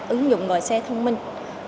ứng dụng gọi xe thông minh